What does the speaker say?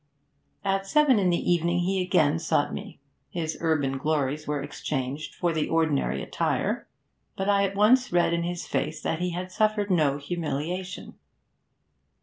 At seven in the evening he again sought me. His urban glories were exchanged for the ordinary attire, but I at once read in his face that he had suffered no humiliation.